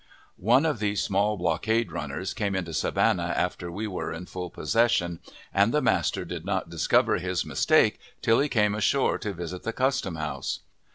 One of these small blockade runners came into Savannah after we were in full possession, and the master did not discover his mistake till he came ashore to visit the custom house.